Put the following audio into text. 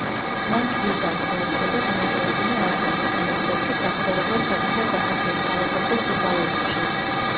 მან წმიდანს მოუწოდა, დაეტოვებინა ათონი, სანაცვლოდ კი საცხოვრებლად საკუთარ სასახლეს სთავაზობდა თესალონიკში.